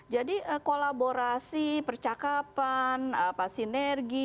jadi kolaborasi percakapan sinergi